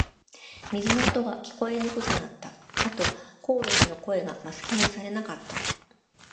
水の音が、聞こえにくくなった。あと、コオロギの声がマスキングされなかった。